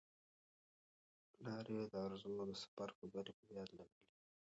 پلار یې د ارزو د سفر خبرې په یاد لرلې.